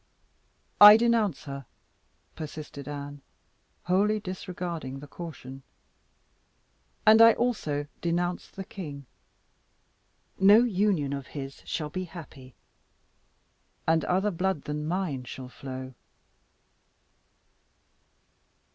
"I denounce her!" persisted Anne, wholly disregarding the caution; "and I also denounce the king. No union of his shall be happy, and other blood than mine shall flow."